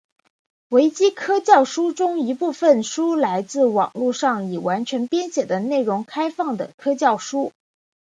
维基教科书中一部分书来自网路上已完成编写的内容开放的教科书。